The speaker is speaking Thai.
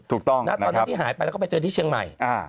ตอนนั้นที่หายไปก็ไปเจอที่เชียงไม่